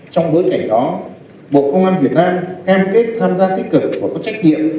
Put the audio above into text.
trong bối cảnh đó bộ công an việt nam cam kết tham gia tích cực và có trách nhiệm